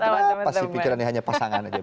kenapa sih pikirannya hanya pasangan aja